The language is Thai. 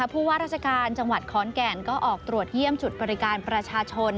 ผู้ว่าราชการจังหวัดขอนแก่นก็ออกตรวจเยี่ยมจุดบริการประชาชน